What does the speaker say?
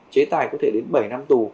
chế tài có thể đến bảy năm tù